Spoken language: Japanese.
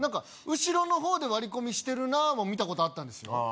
後ろの方で割り込みしてるなも見たことあったんですよ